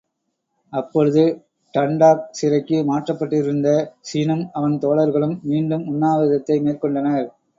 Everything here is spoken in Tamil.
அப்பொழுது டண்டாக் சிறைக்கு மாற்றப்பட்டிருந்த ஸினும் அவன் தோழர்களும் மீண்டும் உண்ணாவிரதத்தை மேற்கொண்டனர்.